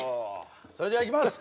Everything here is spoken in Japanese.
それではいきます！